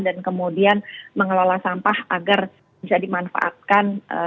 dan kemudian mengelola sampah agar bisa dimanfaatkan